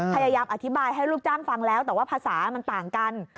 พยายามอธิบายให้ลูกจ้างฟังแล้วแต่ว่าภาษามันต่างกัน